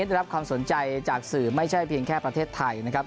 ได้รับความสนใจจากสื่อไม่ใช่เพียงแค่ประเทศไทยนะครับ